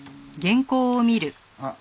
あっ！